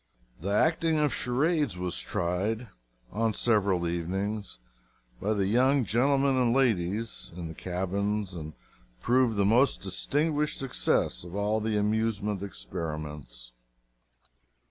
The acting of charades was tried on several evenings by the young gentlemen and ladies, in the cabins, and proved the most distinguished success of all the amusement experiments.